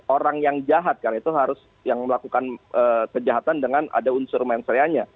orang yang jahat kan itu harus yang melakukan kejahatan dengan ada unsur menserianya